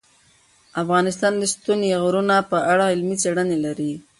افغانستان د ستوني غرونه په اړه علمي څېړنې لري.